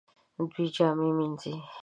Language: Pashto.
دوی جامې مینځي